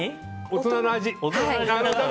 大人の味。